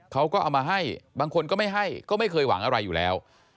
เขาก็เอามาให้บางคนก็ไม่ให้ก็ไม่เคยหวังอะไรอยู่แล้ว